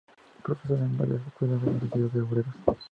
Profesor en varias escuelas de la sociedad de Obreros.